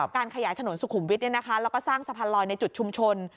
การขยายถนนสุขุมวิทย์แล้วก็สร้างสะพานลอยในจุดชุมชน